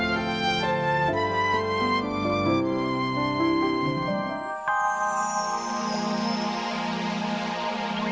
enggak kau dimacurin